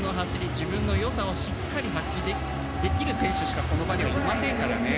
自分の良さをしっかり発揮できる選手しかこの場にはいませんからね。